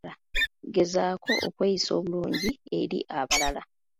Gezaako okweyisa obulungi eri abalala.